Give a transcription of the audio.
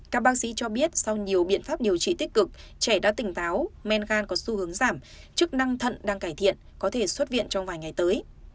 các bác sĩ cho biết sau nhiều biện pháp điều trị tích cực trẻ đã tỉnh táo men gan có xu hướng giảm chức năng thận đang cải thiện có thể xuất viện trong vài ngày tới